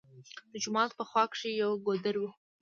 د جومات په خوا کښې يو ګودر وو